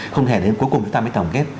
không thể đến cuối cùng chúng ta mới tổng kết